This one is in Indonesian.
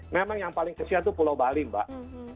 memang yang paling kecil itu pulau bali mbak